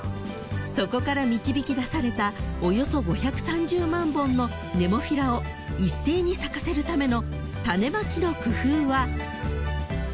［そこから導きだされたおよそ５３０万本のネモフィラを一斉に咲かせるための種まきの工夫は］